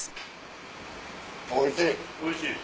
おいしい。